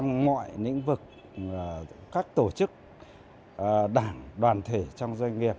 ngoài những vực các tổ chức đảng đoàn thể trong doanh nghiệp